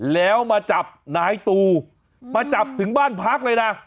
แล้วมาจับนายตูมาจับถึงบ้านพักเลยนะ